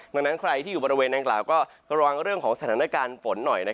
ดังนั้นใครที่อยู่บริเวณนางกล่าวก็ระวังเรื่องของสถานการณ์ฝนหน่อย